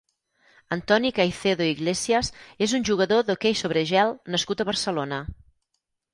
Antoni Caicedo i Iglesias és un jugador d'hoquei sobre gel nascut a Barcelona.